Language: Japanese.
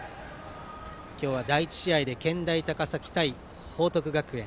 今日は第１試合で健大高崎対報徳学園。